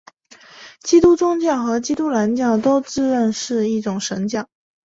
基督宗教和伊斯兰教都自认是一神教。